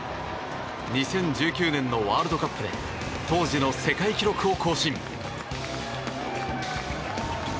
２０１９年のワールドカップで当時の世界記録を更新。